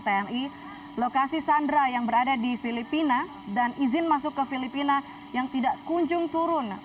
tni lokasi sandra yang berada di filipina dan izin masuk ke filipina yang tidak kunjung turun